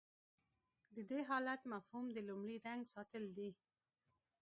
د دې حالت مفهوم د لومړي رنګ ساتل دي.